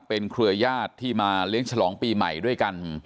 เป็นเครือญาติที่มาเลี้ยงฉลองปีใหม่ด้วยกัน